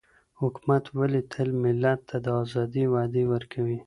حکومت ولي تل ملت ته د آزادۍ وعدې ورکوي؟